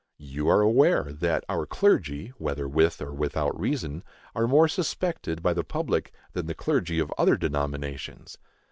You are aware that our clergy, whether with or without reason, are more suspected by the public than the clergy of other denominations.